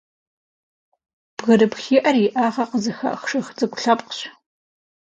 Бгырыпхиӏэр иӏэгӏэ къызыхах жыг цӏыкӏу лъэпкъщ.